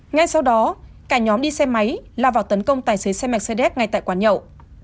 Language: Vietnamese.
ngay sau đó cả nhóm đi xe máy lao vào tấn công tài xế xe mercedes ngay tại quán nhậu